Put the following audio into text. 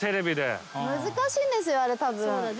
難しいんですよあれ。